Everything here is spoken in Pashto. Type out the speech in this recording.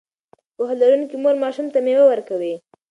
پوهه لرونکې مور ماشوم ته مېوه ورکوي.